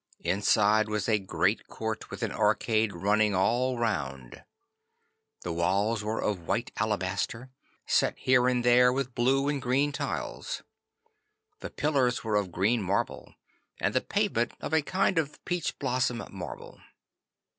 Inside was a great court with an arcade running all round. The walls were of white alabaster, set here and there with blue and green tiles. The pillars were of green marble, and the pavement of a kind of peach blossom marble.